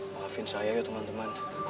maafin saya ya teman teman